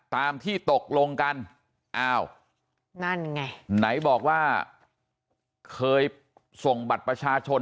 ตามที่ตกลงกันอ้าวนั่นไงไหนบอกว่าเคยส่งบัตรประชาชน